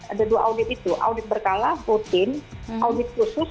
ada dua audit itu audit berkala rutin audit khusus